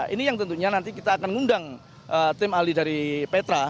ini yang tentunya nanti kita akan ngundang tim ahli dari petra